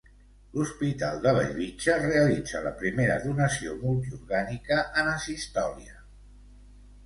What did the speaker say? L'Hospital de Bellvitge realitza la primera donació multiorgànica en asistòlia.